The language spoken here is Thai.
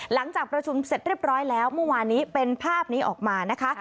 หลังจากประชุมเสร็จเรียบร้อยแล้วเมื่อวานนี้เป็นภาพนี้ออกมานะคะ